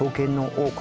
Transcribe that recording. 王国！